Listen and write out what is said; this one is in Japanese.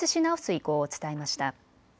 意向を伝えました。